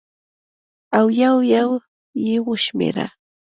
او یو یو یې وشمېره